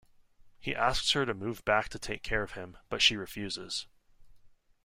He asks her to move back to take care of him, but she refuses.